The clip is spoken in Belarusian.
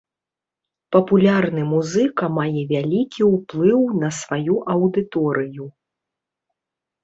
Папулярны музыка мае вялікі ўплыў на сваю аўдыторыю.